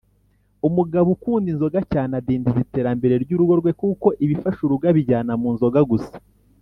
Umugabo ukunda inzoga cyane adindiza iteramberer ryurugo rwe kuko ibifasha urugo abijyana munzoga gusa.